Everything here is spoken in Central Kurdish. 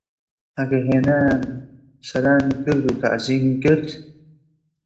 ئەگە هینایان سەلامی کرد و تەعزیمی کرد؟